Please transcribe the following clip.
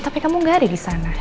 tapi kamu gak ada disana